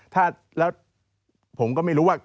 ถ้าแล้วผมก็ไม่รู้ว่า